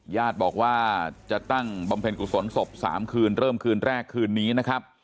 ญาติบอกว่าจะตั้งบำเพ็ญกุศลศพ๓คืนเริ่มคืนแรกคืนนี้นะครับ